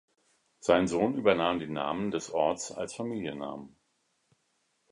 Sein Sohn übernahm den Namen des Orts als Familiennamen.